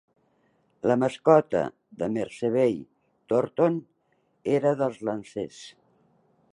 La mascota de Meservey-Thornton era la dels "Lancers".